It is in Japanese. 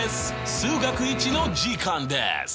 「数学Ⅰ」の時間です！